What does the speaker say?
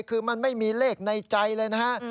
คือมันไม่มีเลขในใจเลยนะฮะ